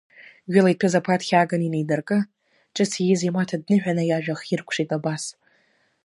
Ҩыла иҭәыз аԥаҭхь ааган ианидыркы, ҿыц ииз имаҭа дныҳәаны, иажәа хиркәшеит абас…